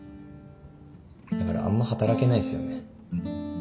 だからあんま働けないんですよね。